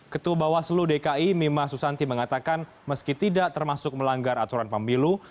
ketua bawaslu dki mima susanti mengatakan meski tidak termasuk melanggar aturan pemilu